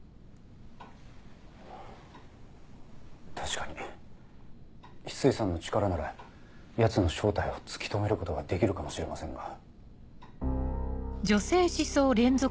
確かに翡翠さんの力ならヤツの正体を突き止めることができるかもしれませんが。